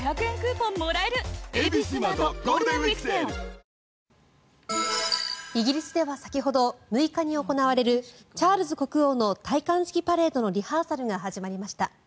しっかりと浴びることその時はイギリスでは先ほど６日に行われるチャールズ国王の戴冠式パレードのリハーサルが始まりました。